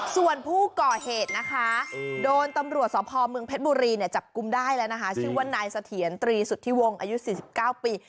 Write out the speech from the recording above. ส่วนผู้ก่อเหตุนะคะโดนตำรวจสพเมืองเพชรบุรีจับกุมได้แล้วนะคะชื่อว่านายเสถียรตรีสุทธิวงศ์อายุ๔๙ปี